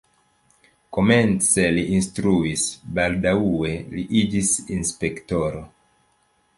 Komence li instruis, baldaŭe li iĝis inspektoro.